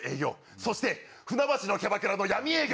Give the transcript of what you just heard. そして、船橋のキャバクラの闇営業。